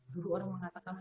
dulu orang mengatakan